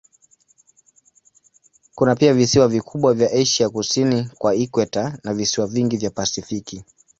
Kuna pia visiwa vikubwa vya Asia kusini kwa ikweta na visiwa vingi vya Pasifiki.